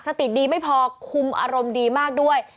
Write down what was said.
สติดีไม่พอคุมอารมณ์ดีมากด้วย